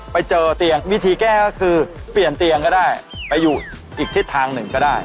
ไปเจอเตียงวิธีแก้ก็คือเปลี่ยนเตียงก็ได้ไปอยู่อีกทิศทางหนึ่งก็ได้